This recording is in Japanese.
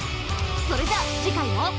それじゃあ次回も。